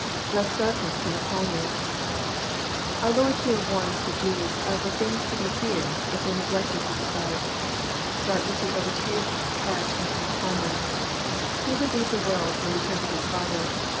[Lest darkness come upon you,"] Our Lord here warns the Jews of the things to be feared, if they neglected His advice. Darkness would overtake, catch, and come upon them. He would leave the world, and return to His Father.